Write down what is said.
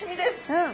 うん。